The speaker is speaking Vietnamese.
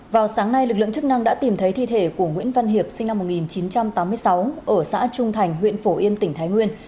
vào sáng nay lực lượng chức năng đã tìm thấy thi thể của nguyễn văn hiệp sinh năm một nghìn chín trăm tám mươi sáu ở xã trung thành huyện phổ yên tỉnh thái nguyên